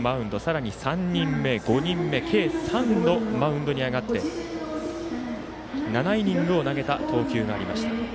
さらに３人目、５人目計３人がマウンドに上がって７イニングを投げたマウンドがありました。